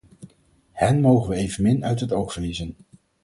Hen mogen we evenmin uit het oog verliezen.